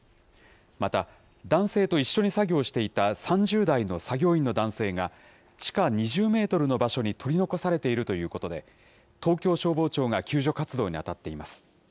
また、男性と一緒に作業していた３０代の作業員の男性が地下２０メートルの場所に取り残されているということで、東京消防庁が救助活動に当たっています。